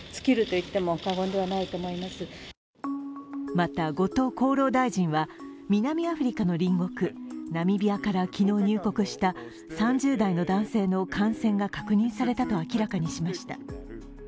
また、後藤厚労大臣は南アフリカの隣国ナミビアから昨日、入国した３０代の男性の感染が確認されたと明らかにしました。